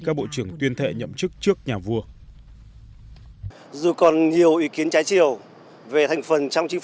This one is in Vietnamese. các bộ trưởng tuyên thệ nhậm chức trước nhà vua